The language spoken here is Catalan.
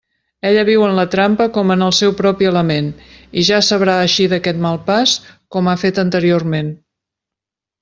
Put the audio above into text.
Ella viu en la trampa com en el seu propi element, i ja sabrà eixir d'aquest mal pas com ha fet anteriorment.